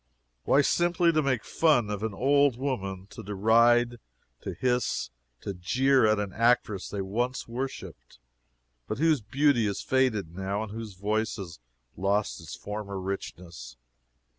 Why, simply, to make fun of an old woman to deride, to hiss, to jeer at an actress they once worshipped, but whose beauty is faded now and whose voice has lost its former richness.